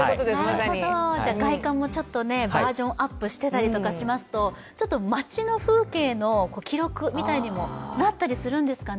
外観もちょっとバージョンアップしてたりとかしますと、ちょっと街の風景の記録みたいにもなったりするんですかね。